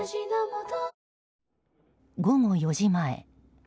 午後４時前。